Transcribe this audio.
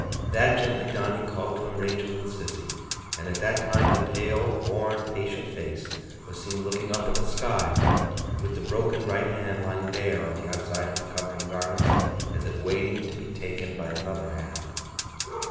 That gently done, he called to him Rachael and Sissy. And at that time the pale, worn, patient face was seen looking up at the sky, with the broken right hand lying bare on the outside of the covering garments, as if waiting to be taken by another hand.